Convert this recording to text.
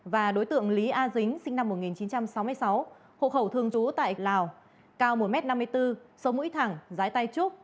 và đối tượng lý a dính sinh năm một nghìn chín trăm sáu mươi sáu hộ khẩu thường trú tại lào cao một m năm mươi bốn sống mũi thẳng giái tay trúc